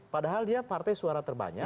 padahal dia partai suara terbanyak